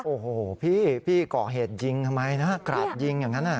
โอ้โหพี่พี่ก่อเหตุยิงทำไมนะกราดยิงอย่างนั้น